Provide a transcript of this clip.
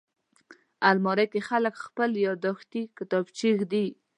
الماري کې خلک خپلې یاداښتې کتابچې ایږدي